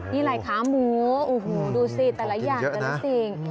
นี่อะไรคะหมูโอ้โหดูสิแต่ละอย่างแต่ละสิ่ง